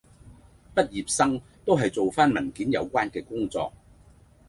畢業生都係做返文件有關嘅工作